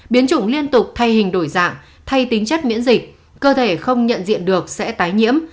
biến chủng liên tục thay hình đổi dạng thay tính chất miễn dịch cơ thể không nhận diện được sẽ tái nhiễm